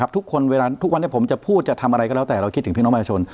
ทุกคนเวลาทุกวันนี้ผมจะพูดจะทำอะไรก็แล้วแต่เราคิดถึงพี่น้องประชาชน